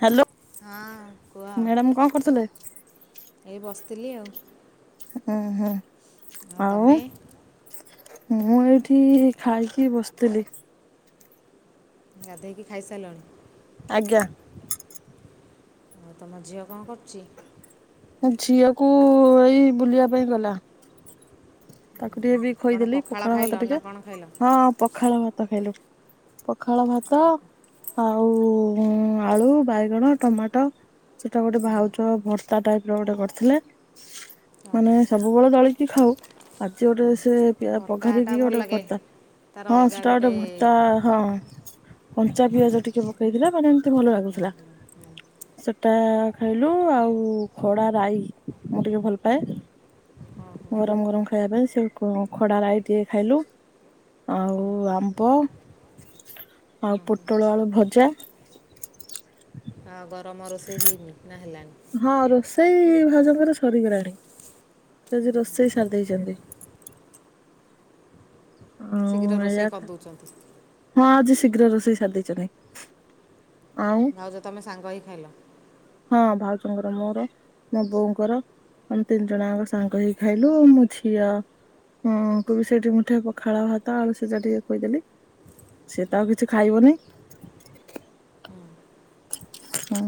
Hello ହଁ କୁହ madam କଣ କରୁଥିଲେ? ଏଇ ବସ୍। ବତଲ [inaudible] ହୁଁ ହୁଁ ଆଉ। ତମେ ମୁଁ ଏଇଠି ଖାଇକି ବସିଥିଲି। ଗାଧେଇକି ଖାଇ ସାରିଲଣି। ଆଜ୍ଞା। ଆଉ ତମ ଝିଅ କଣ କରୁଛି। ଝିଅକୁ ଏଇ ବୁଲିବା ପାଇଁ ଗଲା। ତାକୁ ଟିକେ ବି କ'ଣ ଖୋଇଦେଲି ପଖାଳ ଖାଇଲ ଭାତ ନା ଟିକେ କ'ଣ ଖାଇଲ ହଁ ପଖାଳ ଭାତ ଖାଇଲୁ। ପଖାଳ ଭାତ ଆଉ ଆଳୁ ବାଇଗଣ ଟମାଟୋ ସେଟା ଗୋଟେ ହୁଁ ଭାଉଜ ଭର୍ତା ଟାଇପ ର ଗୋଟେ କରିଥିଲେ ମାନେ ଓହୋ ସବୁବେଳେ ଦଳିକି ଖାଉ। ଆଜି ଗୋଟେ ହଁ ସେ। ଭର୍ତ୍ତାଟା ପଘାରିକି ଭଲ ଗୋଟେ ଲାଗେ ଭର୍ତ୍ତା ତାର ହଁ ଅଲଗା ସେଟା ଗୋଟେ ଭର୍ତ୍ତା ହଁ କଞ୍ଚା ଭଲ ପିଆଜ ଲାଗେ ଟିକେ ପକେଇଥିଲା ମାନେ। ତେ ଭଲ ହୁଁ ଲାଗୁଥିଲା ହୁଁ ସେଟା ଖାଇଲୁ ଆଉ ଖଡ଼ା ରାଇ ମୁଁ ଟିକେ ଭଲ ପାଏ ଓହୋ ଗରମ ଗରମ। ଖାଇବା ପାଇଁ ସେ ଖଡ଼ା ରାଇ ଟିକେ ଖାଇଲୁ ଆଉ ଆମ୍ବ ଆଉ ପୋଟଳ ଆଳୁ ଭଜା। ହଁ। ତମ ରୋଷେଇ ହେଇନି ନା ହେଲାଣିି। ହଁ ରୋଷେଇ ଭାଉଜଙ୍କର ସରିଗଲାଣି ସେ ଆଜି ରୋଷେଇ ସାରି ଦେଇଛନ୍ତି। ହ ଶୀଘ୍ର ରୋଷେଇ ଆା ଖ କରିଦେଉଛନ୍ତି ହଁ ଆଜି [inaudible] ଶୀଘ୍ର ରୋଷେଇ ସାରିଦେଇଛନ୍ତି। ଭାଉଜ ତମେ ସାଙ୍ଗ ହେଇକି ଖାଇଲ। ର ମୋର ମୋ ବୋଉଙ୍କର ଆମେ ତିନି ଜଣଙ୍କ ସାଙ୍ଗ ହେଇ ଖାଇଲୁ ମୋ ଝିଅ କୁ ବି ସେଇଠି ମୁଠେ ପଖା ପଖାଳ ଭାତ ଆଉୁ ସିଯା ଟିକେ ଖୋଈଦେଲି ସେ ତ ଆଉ କିଛି ଖାଇବନି। ହୁଁ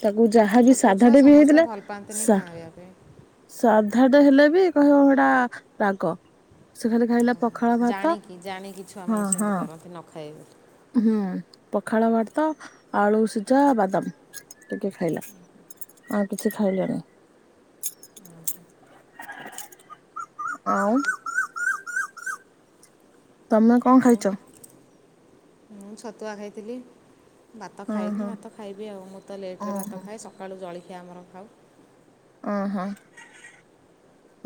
ତାକୁ ମୁଁ ଯାହାବି ଛୋଟ ଛୁଆ ସାଧାଟେ ବି ସମସ୍ତେ ହେଇଥିଲେ ଭଲ ପାଆନ୍ତିନି ଖାଇବା ପାଇଁ ସାଧା। ଧାର୍ ତ ହେଲେ ବି କହିବ ଏଇଟା ରାଗ ସେ ଖା ଖାଇଲା। ପଖାଳ ଭାତ ଜାଣିକି ଜାଣିକି ହଁ ଛୁଆମାନେ ସେମିତି ହଁ। କରନ୍ତି ନ ଖାଇବେ ହୁଁ ପଖାଳ ଭାରତ ଆଳୁ ସିଝା, ବାଦାମ ଟିକେ ଖାଇଲା ଆଉ କିଛି ଖାଇଲାନି। ଆଉ। ତମେ ବୋଲି କଣ ଆଉ ଖାଇଚ। ମୁଁ ଛତୁଆ ଖାଇଥିଲି। ଭାତ ଓ ହୋ ଖାଇନି ଭାତ ଖାଇବି ଆଉ ମୁଁ ତ ଲେଟ୍ ରେ ଓହୋ। ଭାତ ଖାଇଏ ସକାଳୁ ଜଳିଖି କିଏ ଆମର ଖାଉ। ଓହୋ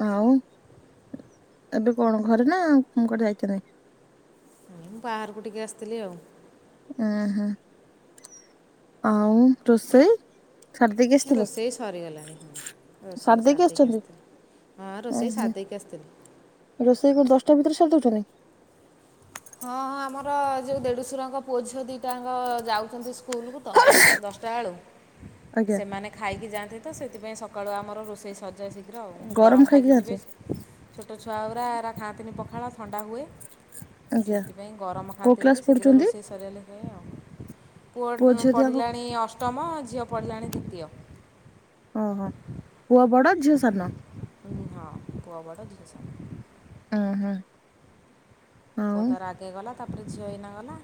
ଆଉ ଏବେ କଣ ଘରେ ନା କଣ କୁଆଡ଼େ ଯାଇଛନ୍ତି। ବାହାରକୁ ଟିକେ ଆସିଥିଲି ଆଉ। ଆହା ଆଉ ରୋଷେଇ। ସାରି ଦେଇକି ଆସିଥିଲେ ରୋଷେଇ ସରିଗଲାଣି ହଁ ସାରି ରୋଷେଇ ଦେଇକି ସାରଦେଇ କି ଆସିଛନ୍ତି? ଆସିଥିଲି ହଁ ରୋଷେଇ ସରଦେଇକି ଆସିଥିଲି। ସେ ଦଶଟା ଭିତରେ ସାର୍ ଦେଉଛନ୍ତି। ହଁ ହଁ ଆମର ଯୋଉ ଦେଢୁଶରଙ୍କ ପୁଅ ଝିଅ ଦିଟା ଟାଙ୍କ ଯାଉଛନ୍ତି ସ୍କୁଲକୁ ତ ଦଶଟା ବେଳୁ ଆଜ୍ଞା ସେମାନେ ଖାଇକି ଯାଆନ୍ତି ତ ସେଥିପାଇଁ ସକାଳୁ ଆମ ରୋଷେଇ ସରି ଯାଏ ଶୀଘ୍ର ଆଉ ଗରମ ଖାଇକି ଯିବେ। ଛୋଟ ଛୁଆ ଗୁରା ଖାଆନ୍ତିନି ପଖାଳ ଥଣ୍ଡା ହୁଏ। ଆଜ୍ଞା। ସେଥିପାଇଁ ଗରମ କୋଉ ଖାଆନ୍ତି କ୍ଲାସ ବୋଲି ଶୀଘ୍ର ପଢୁଛନ୍ତି? ରୋଷେଇ ସରିିଗଲେ [inaudible] ପୁଅ ଝିଅ ଦିହାଙ୍କ ପଢ଼ିଲାଣି ଅଷ୍ଟମ ଝିଅ ପଡ଼ିଲାଣି ଦ୍ୱିତୀୟ। ଓହୋ। ପୁଅ ବଡ଼ ଝିଅ ସାନ। ହଁ ପୁଅ ବଡ଼ ଝିଅ ସାନ। ହୁଁ ହୁଁ। ପୁଅ ଆଉ ତାର ଆଗେ ଗଲା। ତାପରେ ଝିଅ ହେଇନା ଗଲା।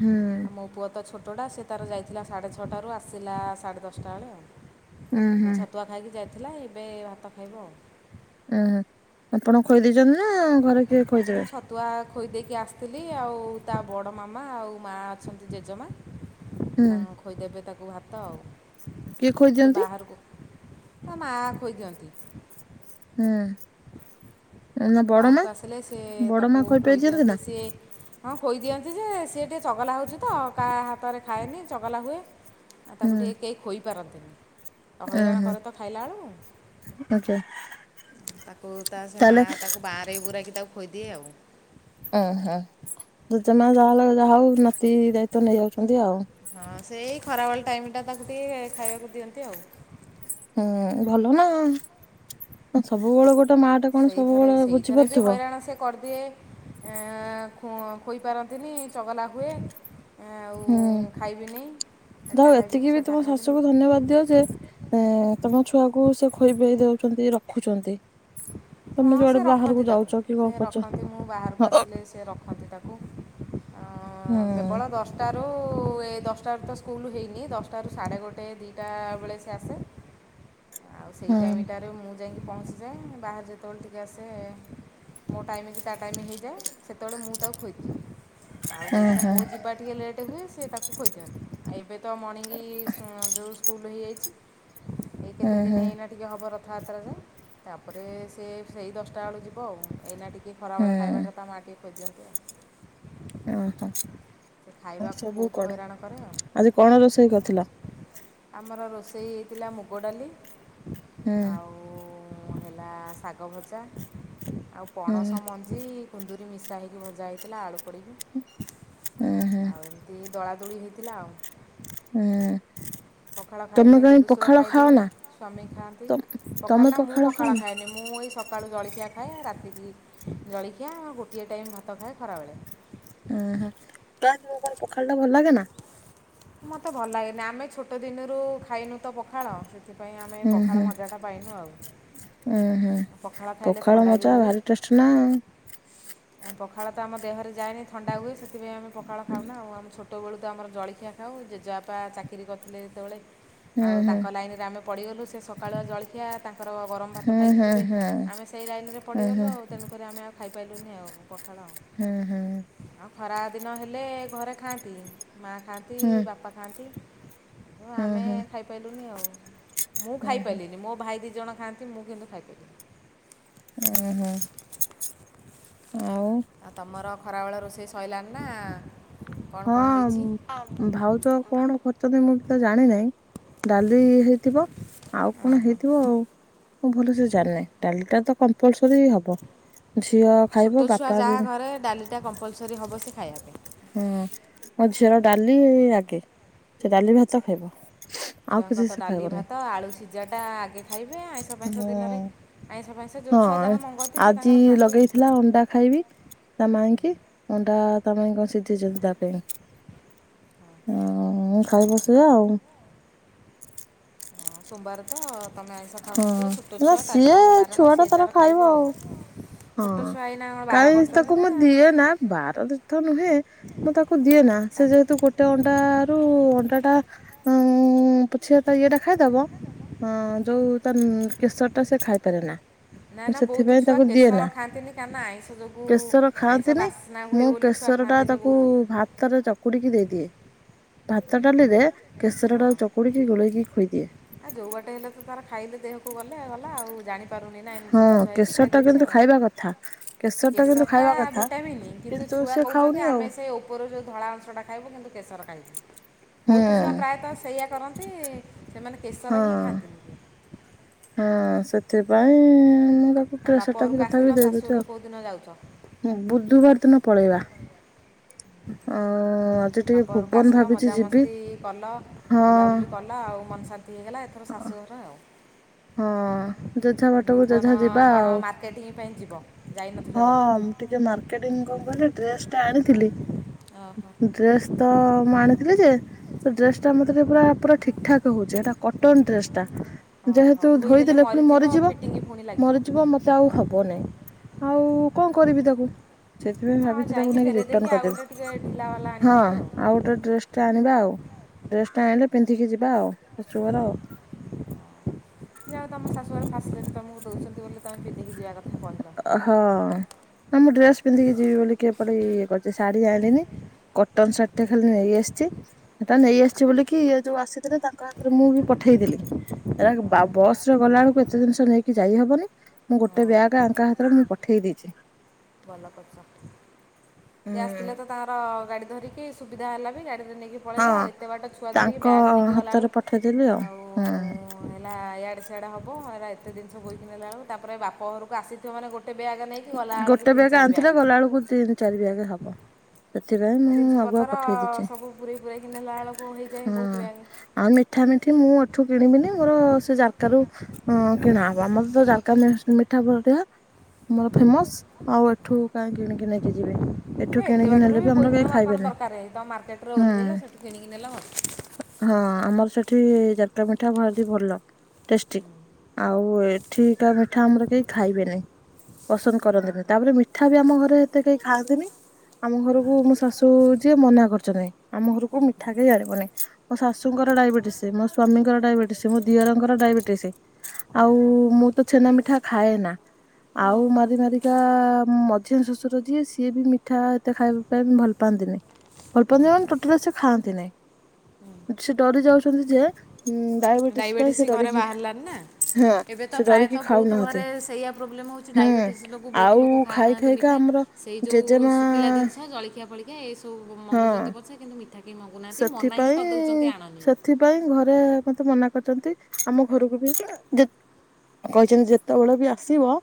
ହୁଁ ମୋ ପୁଅ ତ ଛୋ ଯୋଉଟା ସେ ତାର ଯାଇଥିଲା ସାଢ଼େ ଛଅଟାରୁ ଆସିଲା ସାଢ଼େ ଦଶଟା ବେଳେ ଆଉ। ଉଁ ସେ ହୁଁ ଛତୁଆ ଖାଇକି ଯାଇ ଥିଲା ଏବେ ଭାତ ଖାଇବ ଆଉ। ଉହୁଁ ଆପଣ ଖୋଇ ଦଉଛନ୍ତିନା? ନା ଘରେ କିଏ ଖୋଇ ମୁଁ ଦେବେ? ଛତୁଆ ଖୋଇ ଦେଇକି ଆସିଥିଲି ଆଉ ତା ବଡ଼ ମାମା ଆଉ ମାଆ ଅଛନ୍ତି ଜେଜେମା। ହୁଁ ତା ଖୋଇ ଦେବେ ତାକୁ କୁ ଭାତ ଆଉ। କିଏ ମୁଁ ଟିକେ ଖୋଜନ୍ତି? ବାହାରକୁ ତା ମାଆ ଖୋଇ ଦିଅନ୍ତି। ହୁଁ। ନା ବଡ ମା ବାହାରକୁ ଆସିଲେ ସେ ବଡ ମା ତାକୁ ଖୋଇପାଇ ଦିଅନ୍ତି ଖୋଇଦିଅନ୍ତି ନା ସିଏ ହଁ ଖୋଇ ଦିଅନ୍ତି ଯେ ସିଏ ଟିକିଏ ଚଗଲା ହେଉଛି ତ କାହା ହାତରେ ଖାଏନି ଚଗଲା ହୁଏ। ଆଉ ହୁଁ ତାକୁ ଟିକେ କେ ଖୋଇ ପାରନ୍ତିନି। ଆଉ ଉଁ ହଇରାଣ ହୁଁ ଘରେ ତ ଖାଇଲା ବେଳୁକୁ। ଆଚ୍ଛା ତାକୁ ତା ସେ ମା ତାହେଲେ ତାକୁ ବାଁରେ ବୁରାଇକି ତାକୁ ଖୋଇ ଦିଏ ଆଉ। ଓ ହୋ ଜେଜେମା ଯାହା ହେଲେ ଯାହା ହଉ ଭ ତି ଦାୟିତ୍ଵ ନେଇ ଯାଉଛନ୍ତି ଆଉ। ହଁ ସେଇ ଖରାବେଳ ଟାଇମ୍ଟା ତାକୁ ଟିକେ ଖାଇବାକୁ ଦିଅନ୍ତି ଆଉ। ହୁଁ ଭଲ ନା ସବୁବେଳେ ଗୋ ସେଇଥରେ ସେଇଥରେ ବି ହଇରାଣ ସେ କରିଦିଏ। ଖୋଇପାରନ୍ତିନି ଚଗଲା ହୁଏ। ଆଉ ହୁଁ ଖାଇବିନି ଯା ଏଟା ହଉ ଖାଇବିନି ଏତିକି ବି ସେଟା ତମ ଖାଇବିନି ଶାଶୁକୁ ଧନ୍ୟବାଦ ଦିଅ ଯେ ତମ ଛୁଆକୁ ସେ ଖୋଇ ପିଆଇ ଦଉ [unintelligible] ରଖୁଛନ୍ତି। ତମେ ହଁ ଯୁଆଡେ ସେ ବାହାରକୁ ରଖନ୍ତି ଯାଉଛ ତାକୁ କି କଣ ସେ କରୁଛ ରଖନ୍ତି ମୁ ବାହାରକୁ ହୁଁ ଆସିଲେ ସେ ରଖନ୍ତି ତାକୁ ହୁଁ କେବଳ ଦଶଟା। ଆ ଏ ଦଶଟା ତ ସ୍କୁଲ ହେଇନି ଦଶଟାରୁ ସାଢ଼େ ଗୋଟେଏ ଦୁଇଟା ବେଳେ ସେ ଆସେ। ଆଉ ସେଇ ହୁଁ ଟାଇମ ଟାରେ ମୁଁ। ଯାଇକି ପହଞ୍ଚିଯାଏ ବାହାରାରେ ଯେତେବେଳେ ଟିକେ ଆସେ ମୋ ଟାଇମ କି। ତା ଟାଇମ ହେଇଯାଏ ସେତେବେଳେ ମୁଁ ତାକୁ ଖୋଇଛିି ଆଉ ଯେଉଁଦିନ ହୁଁ। ମୋ ଯିବା ଟିକିଏ ଲେଟ୍ ହୁଏ ସେ ତାକୁ ଖୋଇଦିଅନ୍ତି ଆଉ ଏବେ ତ ମର୍ଣିଙ୍ଗ ଯେଉଁ। ଫୁଲ ହେଇଯାଇଛି। ହୁଁ ସେଦିନ ହୁଁ ହେଇନା ଟିକି ହ ହେବ। ରଥଯାତ୍ରାରେ ତାପରେ ସେ ସେଇ ଦଶଟା ବେଳୁ ଯିବ ଆଉ ଏଇନା ଟିକେ। ହୁଁ ଖରାବେଳେ ଖାଇବା ଟା ତା ମାଟି। ବଜନ୍ତ। [inaudible] ଓ ହୋ। ହଁ ସବୁ ବହୁତ କଣ ହଇରାଣ କରେ ଆଉ ଆଜି କଣ ରୋଷେଇ କରିଥିଲ। ଆମର ରୋଷେଇ ହେଇଥିଲା ମୁଗ ଡାଲି। ହୁଁ। ପୁଣି ହେଲା। ଶାଗ ଭଜା ଆଉ ହୁଁ ପଣସ ମଞ୍ଜି କୁନ୍ଦୁରି ମିଶା। କାହିଁକି ଭଜା ହେଇଥିଲା ଆଳୁ, ହୁଁ ହୁଁ ଆଉ ଏମତି। ଦୋଳି ହୋଇଇଥିଲା ଆଉ। ହୁଁ ଉଁ ପଖାଳ ଖାଇବେ ଦେଡ଼ୁସୂୁର ଖାଇବେ ଖାଅ ନା? ସ୍ୱାମୀ ତ ଖାଆନ୍ତି ପଖାଳ ତମେ ନା ମୁଁ ପଖାଳ ଖାଅନି ଖାଏନି ମୁଁ ଏଇ ସକାଳୁ ଜଳିଖି ଅଖିଆ ଖାଏ ରାତିକି ଜଳଖିଆ ଆଉ ଗୋଟିଏ ଟାଇମ୍ ଭାତ ଖାଏ ଖରାବେଳେ। ଓଁ ହ ତମ କଣ ପଖାଳ ଟା ଭଲ ଲାଗେ ନା। ମତେ ଭଲ ଲାଗେନି ଆମେ ଛୋଟ ଦିନରୁ ଖାଇନୁ ତ ପଖାଳ ସେ। ସେଥିପାଇଁ ଆମେ ହୁଁ ପଖାଳ ହୁଁ ମଜାଟା ପାଇନୁ ଆଉ ହୁଁ ହୁଁ ପଖାଳ ଖାଇଲେ ଥଣ୍ଡା ବି ମଜା ହୁଏ ଭାରି ଟେଷ୍ଟ ନା। ଆଉ ପଖାଳ ତ ଆମ ଦେହରେ ଯାଏନି ଥଣ୍ଡା ହୁଏ ସେଥିପାଇଁ ଆମେ ପଖାଳ ଖାଉନା ଆଉ ଆମ ଛୋଟ ଛୋଟବେଳୁ ଆମର ଜଳଖିଆ ଆଉ ଜେଜେଆପା ଚାକିରି କରିଥିଲେ ଯେତେବେଳେ ହୁଁ ଆଉ ହୁଁ ତାଙ୍କ ଲାଇନ୍ରେ ଆମେ ପଡ଼ିଗଲୁ ସେ ସକାଳୁ ଜଳଖିଆ ତାଙ୍କର ଗରମ ଭାତ ହୁଁ ଖାଇକି ହୁଁ ଯିବେ ହୁଁ। ଆମେ ସେଇ ଲାଇନ୍ରେ ହୁଁ ପଡ଼ିଗଲୁ ଆଉ ହୁଁ ତେଣୁକରି ଆମେ ଆଉ ଖାଇପାରିଲୁନି ଆଉ ପଖାଳ ହୁଁ ଆଉ ଖରା ଦିନ ହେଲେ ଘରେ ଖାଆନ୍ତି ମା ଖାଆନ୍ତି। ହୁଁ ବାପା ଖାଆନ୍ତି। ତି ହୁଁ ଆମେ ହୁଁ ଖାଇପାରିଲୁନି ଆଉ ମୁଁ ହୁଁ ହୁଁ ଖାଇପାରିଲିନି ମୋ ଭାଇ ଦି ଜଣ ଖାଆନ୍ତି ମୁଁ କିନ୍ତୁ ଖାଇପାରିବଲିନି। ଉଁ ହୁଁ ଆଉ ଖରା ବେଳ ରୋଷଇ ସାରିଲାଣି ନା କ'ଣ ହଁ କ'ଣ ହେଇଛି ଓହୋ ଭାଉଜ କଣ କରିଛନ୍ତି ମୁଁ ବି ତ ଜାଣିିନହିଁ ଡାଲି ହେଇଥିବ ଆଉ କଣ ହେଇଥିବ ଆଉ। ମୁଁ ଭଲସେ ଜାଣିନି ଡାଲି ଟା ତ କମପଲସରି। ହବ ଝିଅ ଛୋଟ ଖାଇବ ଛୁଆ ବାପା ବେ ଖାଇ ପାଇଁ। ହଁ ମୋ ଝିଅର ଡାଲି ଆଗେ ସେ ଡାଲି ଭାତ ଖାଇବ। ଆଉ କିଛି ଛୁଆଙ୍କ ତ ଡାଲି ଭାତ ଆଳୁ ସିଝା ଟା ଆଗେ। ଖାଇବେ ଆଇଁଷ ଫାଇଁଷ ହଁ ଦିନରେ ଆଇଁଷ ଫାଇଁଷ ଯେଉଁ ଛୁଆ ହଁ ଯାହା ମଙ୍ଗନ୍ତି ସେ ଆଜି ତାଙ୍କର ଖାଆନ୍ତି ଆଉ ଲଗେଇଥିଲା ହଁ, ଅଣ୍ଡା ଖାଇବି ତା ମାଇଁକୁ ଅଣ୍ଡା। [unintelligible] [unintelligible] ତା ପାଇଁ। ହଁ ଖାଇବ ସେଆ ଆଉ। ହଁ ସୋମବାର ତ ତମେ ଆଇଁଷ ହଁ ଖାଉନଥିବ ଛୋଟ ନା ଛୁଆ ତାଠି ସିଏ କ'ଣ ବାରଣ ଛୁଆ ଟା ସିଏ ତାର ଖାଇବ ଆଉ ହଁ ଛୋଟ ଛୁଆ ଏଇନା କ'ଣ ବାର କାହିଁ କରୁଛନ୍ତି ତାକୁ ନା ମୁଁ ଦିଏ ନା ବାର ତୀର୍ଥ ନୁହେଁ ମୁଁ ତାକୁ ଦିଏ ନା ଆଉ ସେ ତାଙ୍କ ଯେହେତୁ ଗୋଟେ ଅଣ୍ଡା ରୁ ଅଣ୍ଡା ଟା। ଉଁ ପୁଛିିବା ତ ଇଏଟା ଖାଇଦବ ଯୋଉ ତ କେଶର ଟା ସେ ଖାଇପାରେ ନା। ନା ମୁଁ ନା ବହୁତ ସେଥିପାଇଁ ଛୁଆ ତାକୁ ଦିଏ କେଶର ନା ଖାଆନ୍ତିନି କାରଣ ଆଇଁଷ ଯୋଗୁଁ କେଶର ଆଇଁଷ ଖାଆନ୍ତିନି ବାସ୍ନା ହୁଏ ମୁଁ ବୋଲି ଛୁଆ କେଶର ଟା ଖାଆନ୍ତିନି ତାକୁ ବହୁତ ଭାତରେ ଚକୁଡିକି ଦେଇଦିଏ। ଭାତ ଡାଲିରେ କେସର ର ଚକୁଡିକି ଗୋଳେଇକି ଖୋଇଦିଏ। ଆ ଯୋଉ ବାଟେ ହେଲେ ତ ତାର ଖାଇଲେ ଦେହକୁ ଗଲେ ଗଲା ଆଉ ଜାଣିପାରୁନି ନାହିଁ ହଁ ଛୋଟ ଛୁଆ ହେଇଛି କେଶର ଟା ଖାଇଦେଉଛି କିନ୍ତୁ ଆଉ ଖାଇବା କଥା କେଶର ଟା କିନ୍ତୁ କେଶରଟା ଖାଇବା କଥା ଭିଟାମିନ୍ କିନ୍ତୁ ଛୁଆ ସେ କହୁଛନ୍ତି ଖାଉନି ଆଉ। ଆମେ ସେ ଉପରୁ ଯେଉଁ ଧଳା ଅଂଶଟା ଖାଇବୁ କିନ୍ତୁ କେଶର ଖାଇବୁନୁ ହୁଁ ବହୁତ ଛୁଆ ପ୍ରାୟତଃ ସେଇଆ କରନ୍ତି। ସେମାନେ କେସର କିଏ ହଁ। ଖାଆନ୍ତି? ହଁ ସେଥିପାଇଁ ପୁଅ ଆଉ କୁଟିଲା ବାପ ସେଟା ଘରକୁ ବି ଆସିଥିଲ ତଥାପି ଶାଶୁ ଦେଇଦଉଛି ଘରକୁ କେଉଁଦିନ ଯାଉଛ ହୁଁ ବୁଧବାର ଦିନ ପଳେଇବା। ଆଁ ବାପ ଘରକୁ ଆସିଲ ମଜାମସ୍ତି କଲ, ହଁ ବୁଲାବୁଲି କଲ ଆଉ ମନ ଶାନ୍ତି ହେଇଗଲା ଏଥର ଶାଶୁଘର ଆଉ। ହଁ ଯେଝା ବାଟକୁ ଭୁବନ ଯେଝା ଯିବା କ'ଣ ଆଉ ମାର୍କେଟିଂ ପାଇଁ ଯିବ ଯାଇନଥିଲ ଜମା ହଁ ଟିକେ ମାର୍କେଟିଙ୍ଗ ଙ୍କ କଲେ ଡ୍ରେସ ଟା ଜାଣିଥିଲି। ଓହୋ ଡ୍ରେସ ତ ମୁଁ ଆଣିଥିଲି ଯେ ସେ ଡ୍ରେସ ଟା ମତେ ବି ପୁରା, ପୁରା ଠିକ୍ ଠାକ୍ ହଉଛେ ହେଟା କଟନ ଡ୍ରେସ ଟା। ଓହୋ ଯେହେତୁ ଧୋଇଦେଲେ ପୁଣି ମରିଯିବ, ଫିଟିଙ୍ଗ ପୁଣି ଲାଗିବ ମରିଯିବ ମତେ ଆଉ ହବ ନାଇଁ ଆଉ କଣ କରିବି ତାକୁ? ସେଥିପାଇଁ ହଁ ଭାବିଚିତାକୁ ଯାଇକି ନେଇକି ଫେରେଇ ଦେଇକି ରିଟର୍ଣ ଆଉ ଗୋଟେ ଟିକେ କରିଦେବି ଢିଲା ବାଲା ଆଣିବ ହଁ ଭାରି ଆଉ ଗୋଟେ ଡ୍ରେସ ଟେ ଆଣିବା ଆଉ ଡ୍ରେସ୍ ଟେ ଆଣିଲେ ପିନ୍ଧିକି ଯିବା ଆଉ ଶାଶୁଘର। ଯାହା ତମ ଶଶୁ ଘର ଫାଷ୍ଟ ଟାଇମ ତମକୁ ଦଉଛନ୍ତି ବୋଲି ତମେ ପିନ୍ଧିକି ଯିବା କଥା। କହିଲ ଅ ହଁ ମୁଁ ଡ୍ରେସ୍ ପିନ୍ଧିକି ଯିବି ବୋଲି କି ଏପଟେ ଇଏ କରିଛି ଶାଢୀ ଆଣିନି କଟନ ଶାଢୀ ଇଟା ଖାଲି ନେଇଆସିଛି। ଇଟା ନେଇ ଆସିଛି ବୋଲିକିି ଇଏ ଯୋଉ ଆସି- ରେ ତାଙ୍କ ହାତରେ ମୁଁ ହିଁ ପଠେଇଦେଲି ଏ [unintelligible] ବା ବସ୍ ରେ ଗଲା ବେଳକୁ ଏତେ ଜିନିଷ ନେଇକି ଯାଇହବନି। ମୁଁ ଗୋଟେ ବ୍ୟାଗ୍- ତାଙ୍କ ହାତରେ ମୁଁ ପଠେଇ ଦେଇଚି। ଭଲ କରିଚ। ହୁଁ ସେ ଆସିଥିଲେ ତ ତାଙ୍କର ଗାଡି- ଧରିକି ସୁବିଧା ହେଲା ବି ଗାଡି- ସେ ନେଇକି ପଳେଇଲେ ଆଉ ହଁ। ଏତେ ବାଟ ଛୁଆ ଧରିକି ତାଙ୍କ ବ୍ୟାଗ୍ ନେଇକି ଗଲାବେଳୁ ହାତରେ ପଠେଇଦେଲି ଆଉ ହୁଁ। ହେଲା ଇଆଡ଼େ ସିଆଡ଼େ ହବ ହେରା- ଏତେ ଜିନିଷ ବୋହିକି ନେଲା ବେଳକୁ ତାପରେ ବାପ ଘରକୁ ଆସିିଥିବ ମାନେ ଗୋଟ୍- ଟେ ବ୍ୟାଗ ନେଇକି ଗଲା ବେଳକୁ- ବେଗ୍ ଆଣିଥିଲେ ଗଲାବେଳକୁ ତିନି ଚାରି ବ୍ୟାଗ୍ ହବ। ସେଥିପାଇଁ ଆଉ ମୁଁ ଜିନିଷ ଆଗୁଆ ପତ୍ର ପଠେଇ ଦେଇଚି, ସବୁ ପୁରେଇ ପୁରାଇକି ନେଲା ବେଳକୁ ହେଇଯାଏ ହଁ ବହୁତ ବ୍ୟାଗ୍ ଆଉ ମିଠା ମିଠି ମୁଁ- ଏଠୁ କିଣିବିନି ଆଉ ସେ ଜାର୍କା ରୁ ଅଁ କିଣା ହବ, ଆମର ତ ଜାର୍କା ମିନ୍ସ ମିଠା ବହୁତ ଟଙ୍କା। ଆମର ଫେମସ୍ ଆଉ ଏ- ଠୁ କାଇଁ କିଣିକି ନେଇକି ଯିବି। ଏ ଏଠୁ ଏତେ କିଣିକି ବାଟରୁ ନେଲେ ବି ଆମର ବୋହିକି କେହି ନେବା କ'ଣ ଖାଇବେନି। ଦରକାର ତ ମାର୍କେଟରେ ହଁ ଓହ୍ଲେଇଲ ସେଠୁ କିଣିକି ନେଲ ହଁ ଆମର ସେଠି ଜାର୍କା ମି ମିଠା ଭାରି ଭଲ ଟେଷ୍ଟି ଆଉ ଏଠିକା ମିଠା ଆମର କେହି ଖାଇବେନି। ପସନ୍ଦ କରନ୍ତିନି। ତାପରେ ମିଠା ମିଠା ବି ଆମ ଘରେ ଏତେ କେହି ଖାଆନ୍ତିନି। ଆମ ଘରକୁ ମୋ ଶାଶୁ ଯିଏ ମନା କରିଚନ୍ତି। ଆମ ଘରକୁ ମିଠା କେହି ଆଣିବନି। ମୋ ଶାଶୁଙ୍କର ଡାଇବେଟିସି, ମୋ ସ୍ଵାମୀଙ୍କର ଡାଇବେଟିସି, ମୋ ଦିଅରଙ୍କର ଡାଇବେଟିସି। ଆଉ ମୁଁ ତ ଛେନା ମିଠା ଖାଏ ନା। ଆଉ ମାରି ମାରିକା ମଝିଆ ଶ୍ୱଶୁର ଯିଏ ସିଏ ବି ମିଠା ଏତେ ଖାଇବା ପାଇଁ ଭଲ ପାଆନ୍ତିନି। ଭଲ ପାଆନ୍ତିନି ମାନେ ଟୋଟାଲି ସେ ଖାଆନ୍ତି ନାଇଁ। ସେ ଡରି ଯାଉଛନ୍ତି ଯେ ଉଁ ଡାଇବେଟିସ୍ ପାଇଁ ସେ ଡାଇବେଟିସି ଘରେ ଡରିକି ବାହାରିଲାନି ନା ହଁ ଏବେ ତ ସେ ଡରିକି ପ୍ରାୟତଃ ବହୁତ ଖାଉନାହାନ୍ତି। ଘରେ ସେୟା ପ୍ରୋବ୍ଲେମ ହଉ କିଛି ହୁଁ ଡାଇବେଟିସି ଯୋଗୁଁ ବହୁତ ଆଉ ଲୋକ ଖାଇ ଖାଉନାହାନ୍ତି ଖାଇକା ମିଠା ଆମର ସେଇ ଯୋଉ ଜେଜେମା ଶୁଖିଲା ଜିନିଷ ଜଳିଖିଆ ଫଳିକିଆ ଏଇସବୁ ହଁ ମଙ୍ଗୁଛନ୍ତି ପଛେ କିନ୍ତୁ ମିଠା କେହି ମଙ୍ଗୁନାହାନ୍ତି ମନା ହିଁ କରିଦେଉଛନ୍ତି ସେଥିପାଇଁ ଆଣନି ବୋଲି ସେଥିପାଇଁ ଘରେ ମତେ ମନା। କରିଚନ୍ତି। ଆମ ଘରକୁ ବି ଯେତ୍ କହିଛନ୍ତି ଯେତେବେଳେ ବି ଆସିବ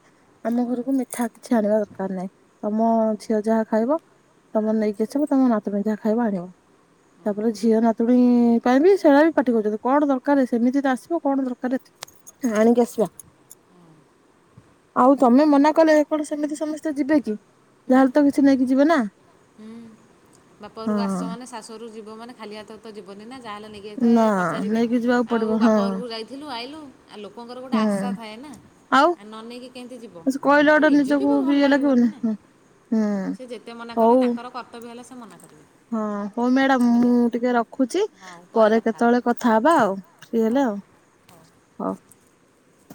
ଆମ ଘରକୁ ମିଠା କିଛି ଆଣିବା ଦରକାର ନାହିଁ। ତମ ଝିଅ ଯାହା ଖାଇବ ତମେ ନେଇକି ଆସିବ ତମ ନାତୁଣୀ ଯାହା ଖାଇବ ଆଣିବ। ତାପରେ ଝିଅ ନାତୁଣୀ ପାଇଁ ବି ସେଇଟା ବି ପାଟି କରୁଛନ୍ତି। କଣ ଦରକାର ସେମିତି ତ ଆସିବ କଣ ଦରକାର ଏଠି ଆଣିକି ଆସିବା। ଆଉ ତମେ ମନା କଲେ କଣ ସେମିତି ସମସ୍ତେ ଯିବେ କି? ନା ଯାହେଲେ ତ କିଛି ନେଇ କି? ଯିବେ ନା। ବାପଘରକୁ ହଁ। ଆସଚ ମାନେ ଶାଶୁ ଘରୁ ଯିବ ମାନେ ଖାଲି ହାତରେ ତ ଯିବନି ନା। ଯାହାହେଲେ ନେଇକି ଯାଇଥାଏ ନା ପଚାରିବେ ନେଇକି ଯିବାକୁ ଆଉ ପଡିବ ହଁ ବାପା ଘରକୁ ଯାଇଥିଲୁ ଆଇଲୁ ଆଉ ଲୋକଙ୍କର ଗୋଟେ ହୁଁ ଆଶା ଥାଏ ନା ଆଉ ଆ ନ ନେଇକି? କେମିତି ଯିବ କହିଲେ ଆରେ ଗୋଟେ ନିଜ କୁ ନିଜକୁ ବି ଭଲ ଇଏ ଲାଗିବନି ନା। ହୁଁ ସେ ହୁଁ ଯେତେ ମନା ହଉ କରିବେ ତାଙ୍କର କର୍ତ୍ତବ୍ୟ ହେଲା ସେ ମନାକଲା। ହଁ ହଉ ମ୍ୟାଡାମ ମୁଁ ଟିକେ ରଖୁଛି ହଉ ପରେ କଥା ହେବା କେତେବେଳେ କଥା ହବା ଆଉ ଫ୍ରି ହଉ ହେଲେ ଆଉ ହଉ।